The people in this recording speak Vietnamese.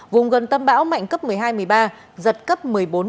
vùng gần tâm bão mạnh cấp một mươi hai một mươi ba giật cấp một mươi bốn một mươi năm